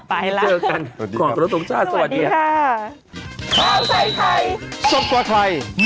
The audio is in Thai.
ไปละเจอกันขอบพระราชตรงชาติสวัสดีค่ะ